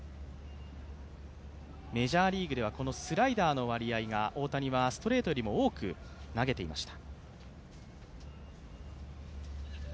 メジャーリーグではこのスライダーの割合が大谷はストレートよりも多く投げていました。